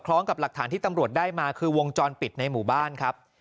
ล้องกับหลักฐานที่ตำรวจได้มาคือวงจรปิดในหมู่บ้านครับ